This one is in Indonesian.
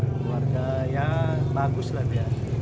keluarga ya bagus lah dia